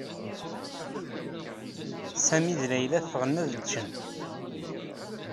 Sami d Layla ffɣen ad d-ččen.